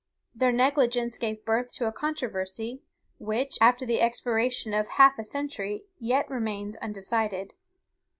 Their negligence gave birth to a controversy, which, after the expiration of half a century, yet remains undecided.